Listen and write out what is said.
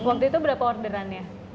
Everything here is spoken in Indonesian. waktu itu berapa orderannya